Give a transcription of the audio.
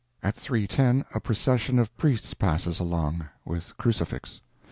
At three ten a procession of priests passes along, with crucifix.